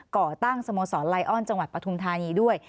ก่อตั้งสโมสรไลออนจังหวัดปฐุมธานีด้วย